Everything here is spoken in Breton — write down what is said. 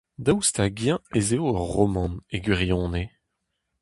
Daoust hag-eñ ez eo ur romant, e gwirionez ?